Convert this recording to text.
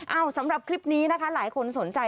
สำหรับคลิปนี้นะคะหลายคนสนใจ